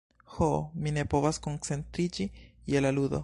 Ho, mi ne povas koncentriĝi je la ludo...